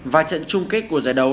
và trận chung kết của giải đấu